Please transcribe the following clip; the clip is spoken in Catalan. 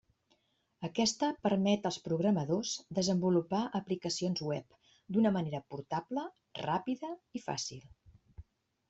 Aquesta permet als programadors desenvolupar aplicacions web d'una manera portable, ràpida i fàcil.